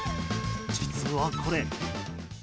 実はこれ。